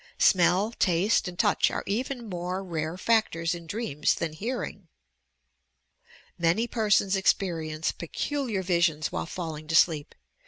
Smell, taste and touch are even more rare factors in dreams than hearing. Many persons experience peculiar visions while falling to sleep.